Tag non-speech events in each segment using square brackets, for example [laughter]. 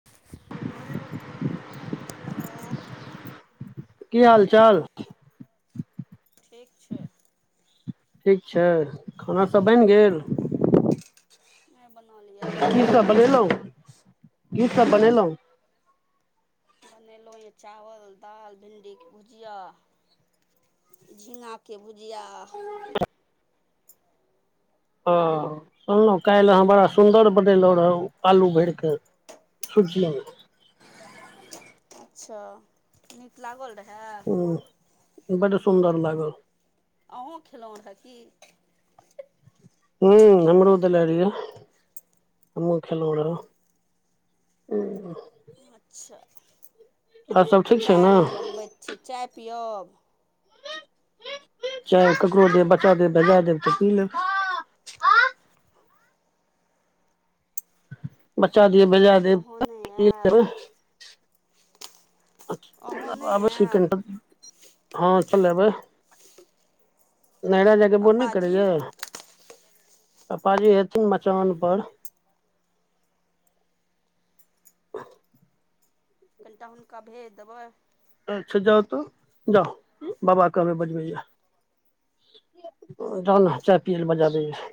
[inaudible] Hello की हाल चाल ठीक छै। ठीक छै खाना सब बइन गेल नै बनौली। की सब बनेलौं की सब बनेलौं? बनेलौ यऽ चावल, दाल, भिंडी कऽ भुजिया। झिंगा के भुजिया। हँ सुनलौ कैल अहाँ बड़ा सुंदर बनेलौ रहौ आलू भैर कऽ। [unintelligible] अच्छा नीक लागल रहे? हँ बड सुन्दर लागल। अहुँ खेलौ औतऽ की? ह्म हमरो देले रहिय हमहुँ खेलु रहौ। उ अच्छा आर सब ठीक छै चाय ने हम बनबैत छी चाय पियअब? चाय ककरो देब बच्चा देब बजा देब तऽ पी लेब। बच्चा दिआ भेजा देब अहाँ तऽ नहि पी आयब लेबै। अहाँ नहि आबऽ-आबऽ छी कनी आयब हम। हँ चलेबै नैहरा जायके मोन नै पापाजी करैया? पप्पा जी हेथिन मचान पर। कनिटा हुनका भेज देबै। अच्छा जाउ तऽ जाउ बाबा कऽ कहबै बजबैया। जाउ न चाय पियलै बजा देया।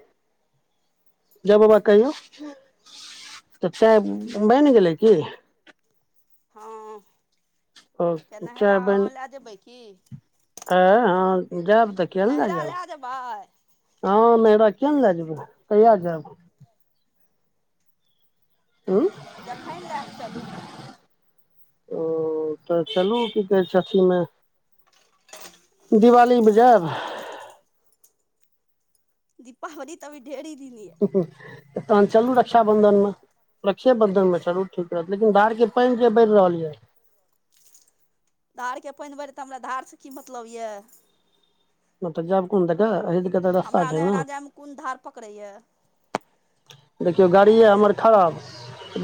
जाउ बाबा के कहियौ तऽ चाय बैन गेलै की? हँ ओ तऽ नहैरा अहाँ लए जेबै की? ऐ हँ जैब तऽ गेल न नैहरा जाउ। लए जेबै हँ नैहरा किए नै लऽ जेबय कहिया जैब। उँ जखन लए चलू। उम तऽ चलू की कहै छै अथी में। दिवाली में जैब? दीपावली तऽ अभी ढेरी दिनऐ। तऽ तहन चलू रक्षाबंधन में। रक्षेबंधन में चलू ठीक रहत लेकिन धार के पइन जे बैढ़ रहल यै। धारके पइन भैरि तऽ हमरा धार सँ की मतलब यए। हँ तऽ जैब कुन दऽकऽ अही दक हमरा नहिरा जे में कुन धार पकड़ैए? देखियौ गाड़ी यऽ हमर हेँ खराब।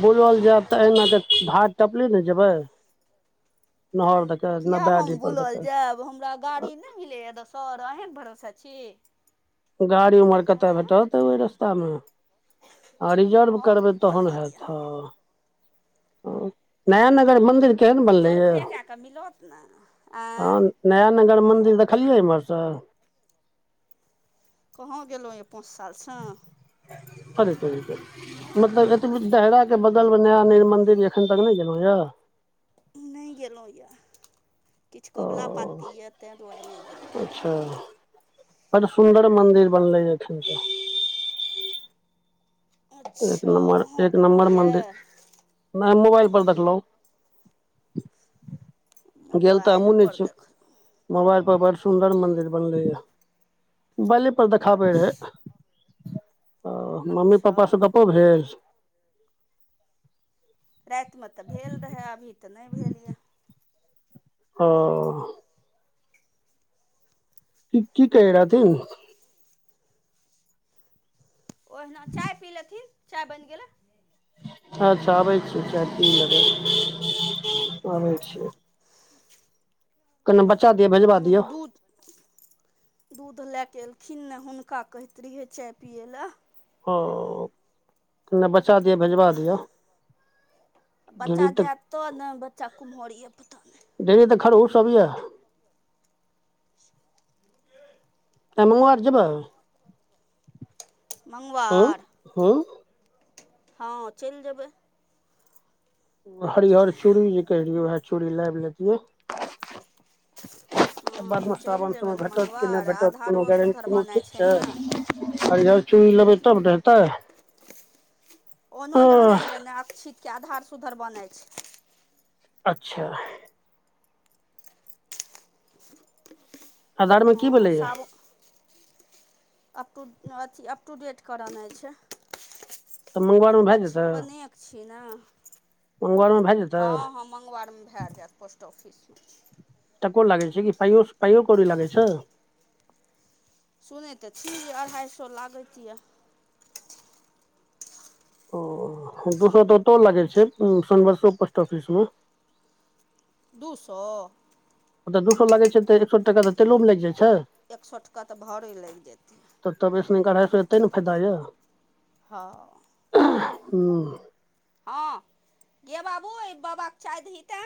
बुलौल जैब त एना क धार टपले न जेबै नहर दऽ तऽ नबटा अडी पर दऽक। तु हमरा गाड़ी नै मिलैएत दोसर अहींन भरोसा छी। गाड़ी उम्हर कतऽ आँय भेटत ओय रस्ता में। आ रिजर्व अहाँके करबै की तहन पता यए हैत हँ नया नगर मन्दिर केहन बनलैए रिजर्फे कए कऽ मिलत न आँय। हँ नया नगर मंदिर देखलियै इम्हरसँ। कहाँँ गेलौ यऽ पाँच सालसँ। अरे तोरी के। मतलब एतबी देहराके बगल में नया निउ मंन्दिर एखन तक नै गेलू यऽ। नै गेलौं यऽ किछ कोबला ओ पाती यऽ तै दुआरे नै गेलौं यऽ अच्छा बड सुन्दर मंदिर बनलै अय ठाम एक अच्छा नम्बर अहाँ एक गेलहुँ नम्बर यए मन्दिर नै मोबाइल पर देखलौं गेल त हमहू नैय मोबाइलपर छी। देखलहुँ मोबाइल पर बड़ सुन्दर मन्दिर बनलैए मोबाइले पर देखाबैत है। अच्छा ओ मम्मी अच्छा पापा सँ गप्पो भेल। रातिमे तऽ भेल रहए अभी तऽ नहि भेल यए। ओ की की कहहि रहथिन ओहिना चाय पी लेथिन चाय बनि गेलै। अच्छा आबै छी चाय पी लबै आबै छी। कनि बच्चा दिअ भेजबा दिय। दूध दूध लए कऽ एलखिन ने हुनका कहैत रहियै चाय पियै लए। ओ कनी बच्चा दिय भेजबा दिय आ बच्चा जायत तऽ ने बच्चा कुम्हर यए पता नहि। डेरी तऽ खर ओ सब यऽ। त म घ आर जब? [unintelligible] हूँ मङ्ंगवार हूँ हँ चलि जेबै। हरियर चूड़ी जे कहहि रहिय उएह चूड़ी लाबि लेतियै। हँ तऽ बादमे चलि सावन जेबै समय ने भेटत कि नहि मङ्गवार भेटत कोनो आधारो गारंटी सुधर कोनो बनाइ ठीक छै। ने हरियर चूड़ि लेबै तब हेतै। ओनो अह जानैए ने अक्षितके आधार सुधर बनै छै। अच्छा आधारमे की हँ भेलैया साब? अपटू अथि अप टु डेट करनाइ छै। तऽ मंगवारमे भए बचपनेके छी ने। उमर मे भए जेतै। मङंगवारमे भए जायत पोस्ट ऑफिस। टको लागै छै कि पायो पायो कौड़ी लागै छै। सुनैत तऽ छी अढ़ाइ सए लागैत यऽ। ओ दू सए तऽ ओतौ लागै छै सनबरसो पोस्ट ऑफिसमे। दू सओ, ओतऽ दू सए लागै छै तऽ एक सए टाका तऽ तेलोमे लागि जाइ छै। एक सए टका तऽ भाड़े लागि जेतै तऽ तब एसने कढ़ाइसँ एते ने फायदा यऽ। हँ हूँ? हँ गै बाबू एहि बाबाक च द ही ते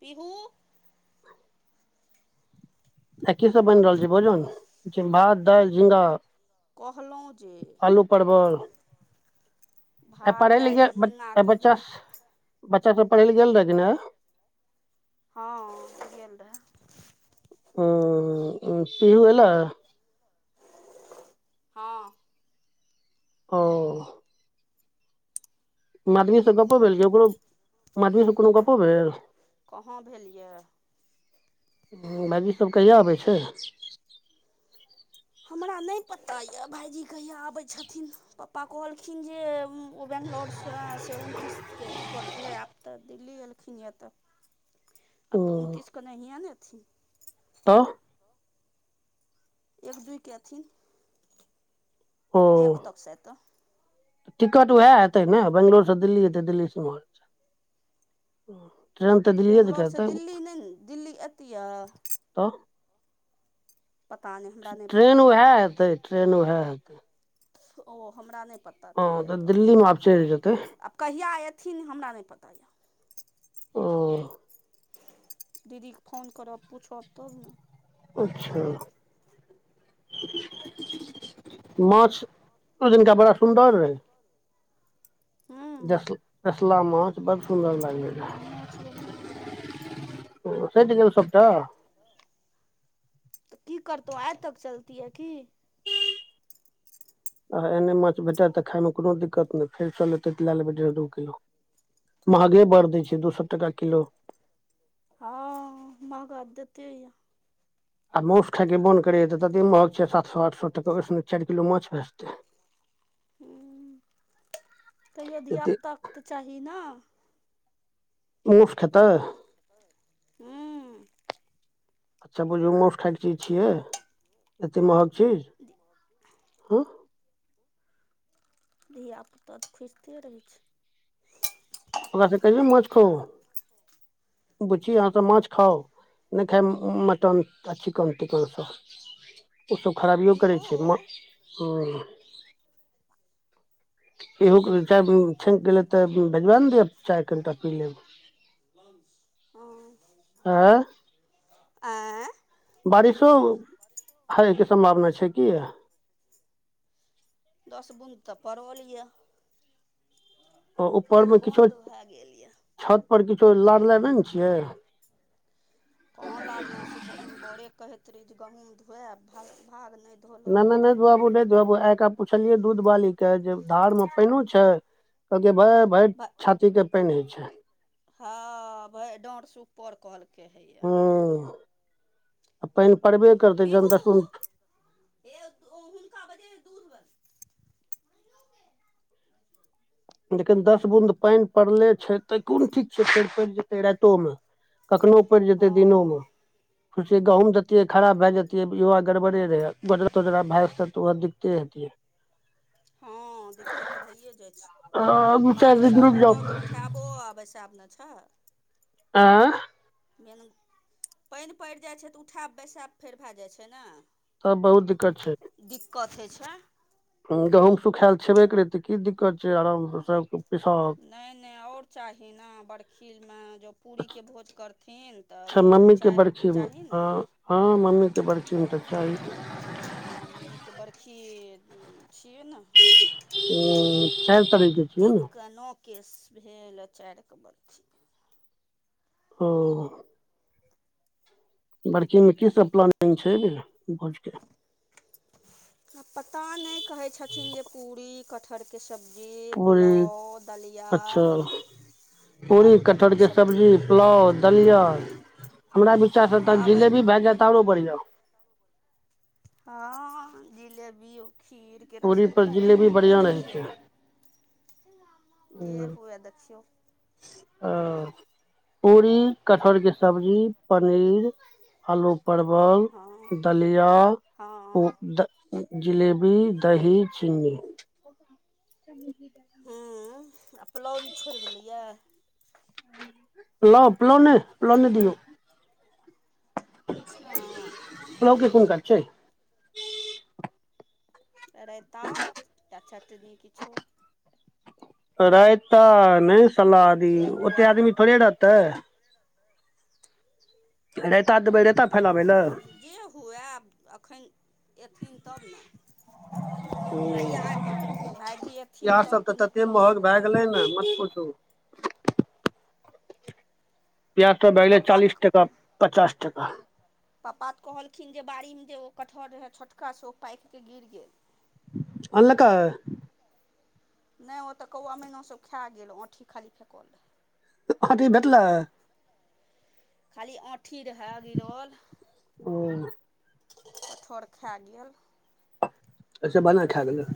पीहुू। आ की सभ बनि बाबाके रहल छैय चाय भोजन भात दालि झिंगा। कहलहुँ जे। आलू आ भात पढ़ै लए दालि गेल झिङ्गाके बच्चा भुजिया बच्चा सब पढ़ै ले गेल रहै कि ने। हँ गेल रहए। ह पिहू एला हँ ओ मधु सँ गप्पो भेल कि? ओकरो मधु सँ कोनो गप्पो भेल? कहाँ भेल यऽ? ह्म्म, भाईजी सब कहिया आबै छै? हमरा नैय पता यैऽ भायजी कहिया आबै छथिन? पप्पा कहलखिन जे ओ बेंगलोरसँ से उनतिसके टिकट रहै आब तऽ दिल्ली एलखिन यैऽ तऽ ओ आब तऽ उनतीस कऽ नैहिये न एथीन? तऽ? एक दूइ के एथिन। एक तक साइद तऽ। टिकटो हैत तैं ने, बंगलोर सँ दिल्ली एतै, दिल्ली से उमहर। ट्रेन तऽ दिल्लिये दकऽ बेंगलौरसँ एतैन, दिल्ली नहि ने दिल्ली अयतियै तऽ पता नहि हमरा नहि ट-ट्रेन पता ओहैऽ हेतै, ट्रेन ओहैऽ हेतै। ओ हमरा नैय पत हं तऽ दिल्ली में आब चैल जेतै। आब कहिया एथिन? हमरा नैय पता यैऽ। ओ। दीदीे क फोन करब, पूछब तब न। अच्छा। माछ ओई दिनका बड़ा सुन्दर रहै। हूँ जस्ल-जसला माछ बड्ड सुन्दर लागै रहै। हूँ माछ बढ़िआँ रहए ओ सैध गेलौ सबटा? त की करतौ? आई तक चैलतिये की? आहा, एहने माछ भेटैऽ तऽ खाइ में कोनो दिक्कत नैय, फेर चल एतै तऽ लैऽ लेबै डेर्ह दू किलो। महगे बड़ दै छै, दू सौऽ टका किलो। हँ, महगा देते याऽ। आ मौउस खाय के मोन करेयऽ त तते महग छै, सात सौऽ आठ सौऽ टके, ओई स निक चाइर किलो माछ भैऽ जेतै। [unintelligible] कहियो धिया-पुता के तऽ चाही न? मौउस खेतै? हूम्म। अच्छा बुझू मौउस खायके चीज छियै? एतेक महग चीज, हँ? धिया पुता तऽ खुजिते रहै छै। ओकाऽ सबके कहियौ न माछ खाउ, बुच्ची अहॉं सब माछ खाउ। नैय खैब मऽ-मटन आ चिकन तिकन सब। ओ सब खराबिओ करै पिहू छै, मऽ-हॉं। इहो क-चाय ब-छैन गेलै तऽ भेजबा ने दिअ चाय कनिटा पी लेब। [unintelligible] हॉं। हॉं। ऐंऽ? बारिशो होइके सम्भावना छै की? दस बुन तऽ परोल यऽ। ऊपर फेर मे किछो बन्द भए गेल यए छत पर किछो लार लैऽ नै न छियै? कहाँ लारलौं? सुब-भोरे कहैत रही जे गहूँम धुएब, भाग-भाग नै नै-नै नैय धुवाबू नैय धुवाबू, आइ काऽ पुछलियै दूध बाली के जे धार में पइनो छै? कहलकैे भैय भैर भ छाती के पईन होइ छै। हँ, भइर डाँढ सँ ऊपर कहलकै हैया। हूँ आ पानि परबे पीहू ह हुनका बजे दूध ले। लेकिन दस बूँद पानि पड़ले छै तऽ कोन ठीक छै, फेर पड़ि जेतै राइतो मे। कखनो पड़ि जेतै दिनो मे, हँ खुर्सी गहुँम देतियै खराब भए जतिये य। गड़बड़े रहै, भाय तह दिक्कते हेतै। हँ दिक्कत तऽ भइए जाइ आ छै, दू चारि दिन बारिशमे रुकि तुरत जाउ उठायब ओ आब बैशाब न छ। आँ। मेन पानि पड़ि जाइ छै तऽ उठा बैसााब फेर भए जाइ छै ने। तब बहुत दिक्कत छै। दिक्कत होइ छै। ह गहुँम सुखायल छेबे करै तऽ की दिक्कत छै, आरामसँ सब पिसाउ नहि -नहि आओर चाही ने बरखीमे, जँ पूरीके भोज करथिन। तऽ अच्छा गेहूँ मम्मी के चाय बरखी ह हां मम्मी के बड़खी में त चाही। आ मम्मीके बरखी छियै ने। ऊं। तिन कऽ नो केस भेल आ चारिे के बर्खी। ओ। बड़खी मे की सब प्लानिंग छै गे, भोजके। पता नहि कहै छथिन जे पूरी क कटहरके सब्जी, पूरी पुलाव, दलिया। अच्छा पूरी, आलू कठहर परवल के सब्जी, पुलाव। दलिया, हमरा बिचार से तऽ आब जिलेबी भए जाएतऽ आरो बढ़ियां। हँ जिलेबियो, खीरके पूरी पर रसगुल्ला, जे जिलेबी हुए बढ़िया रहै देखियौ। छै जे हुए देखियौ। ह। पुरी, कटहल के सब्जी, पनीर आलू परवल, हँ दलिया, ऊ हँ जिलेबी, दही, चीनी। [unintelligible] हूँ आ प्लाव छोड़ि देली ए। पलाउ- पलाउ नै, पलाउ रै नै दियौ। नै। पलाउ के कोन काज छैै। रायता, या चटनी किछो। रयता नहि सलादे, रतुआ ओते आदमी थोड़े रहतै। रायता देबै र हुँ, जे हुए आब एखन अयथिन तब ने। [inaudible] भैया हँ भायजी एथिन पियाज तब सब तऽ कोनो तते प्लान महग भए हेतै गेलै ने, मत पूछू। प्याज सब भए गेलै चालीस पप्पा टका, पचास टका। पापा तऽ कहलखिन जे बाड़ीमे जे ओ कटहर रहै छोटका, सँ ओ पाकि क गिर गेल। आनल कै। नै हो तऽ कौआ मैना सब खे गेल अँठी खाली फेकलऽ ऐ। त आँठी भेटलय? खाली आँठी रहे गिरल। ओन कटहर खे गेल। अच्छा बानर खे गेलै।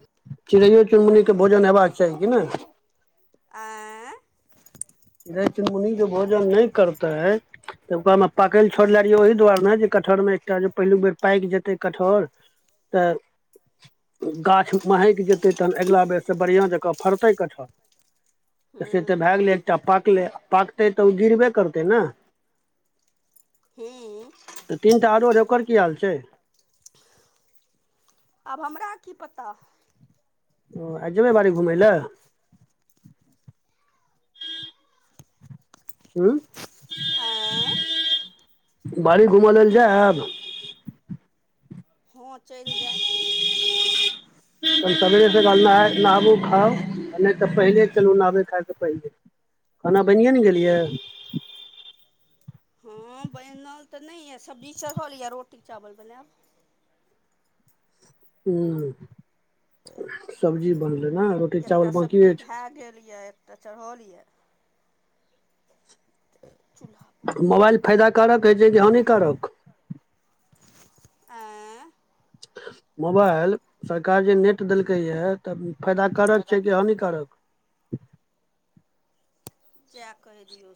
चिड़ैयो-चुनमुनीके भोजन हेबाक चाही की नै? आँ चिड़ै-चुनमुनी जे भोजन नै करतै तऽ ओकर में पाकैल छोड़ले रहियै ओहि दुआर ने जे कटहर में एकटा जे पहिलुक बेर पैक जेतै कटहर तऽ गाछ महैक जेतै तहन ऐगला बेर से बढ़िआँ जकाँ फरतै कटहर। त से ते हूँ भे गेलै। त पाकलै पाकतै तऽ ओ गिरबे करतै न हूँ तऽ तीन टा आरो रै ओकर की आल चै? आब हमरा की पता? हँ, आय जेबै बाड़ी घुमै ले? ऊं? आँय? बाड़ी घुमऽ लेल जेब? हँ, चैल जेब। तहन सबेरे सकाल नहै-नाहबू खाउ आ नै तऽ पहिले चलू नहबै-खाय सऽ पहिले। खाना बैनिए ने गेल यै? हँ, बैनल तऽ नै यऽ सब्जी चढ़यल यऽ रोटी- चावल बनेब। हूँ, सब्जी बनल एकटा सब्जी भे गेल ये एकटा चढ़ल ये। चुल्हा मोवाइल फयदाकारक होइ छै कि हानिकारक? एं? मोबाइल सरकार जे नेट देलकैए त फयदा कारक छै कि हानिकारक? चे कैह दियौ।